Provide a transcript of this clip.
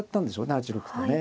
８六歩とね。